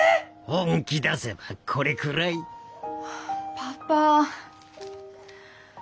パパ。